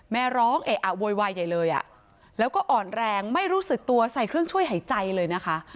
แม่ร้องเอะอะโวยวายใหญ่เลยอ่ะแล้วก็อ่อนแรงไม่รู้สึกตัวใส่เครื่องช่วยหายใจเลยนะคะ